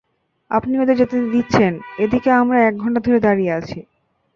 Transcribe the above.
আপনি ওদের যেতে দিচ্ছেন, এদিকে আমরা এক ঘন্টা ধরে দাঁড়িয়ে আছি?